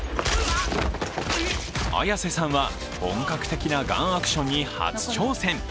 綾瀬さんは、本格的なガンアクションに初挑戦。